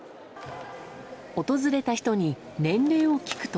訪れた人に年齢を聞くと。